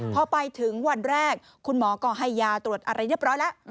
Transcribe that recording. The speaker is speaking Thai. พอไปถึงวันแรกคุณหมอก็ให้ยาตรวจอะไรเรียบร้อยแล้ว